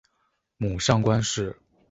母上官氏。